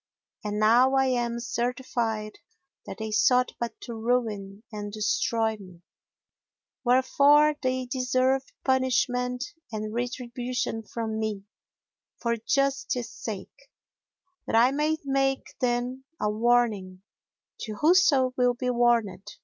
And now I am certified that they sought but to ruin and destroy me, wherefore they deserve punishment and retribution from me, for justice sake, that I may make them a warning to whoso will be warned.